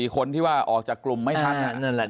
คนที่ว่าออกจากกลุ่มไม่ทัน